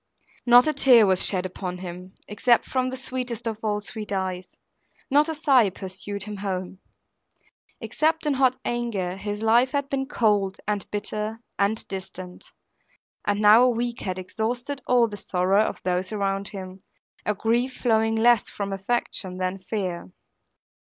Not a tear was shed upon him, except from the sweetest of all sweet eyes; not a sigh pursued him home. Except in hot anger, his life had been cold, and bitter, and distant; and now a week had exhausted all the sorrow of those around him, a grief flowing less from affection than fear.